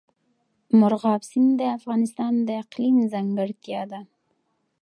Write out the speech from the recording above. مورغاب سیند د افغانستان د اقلیم ځانګړتیا ده.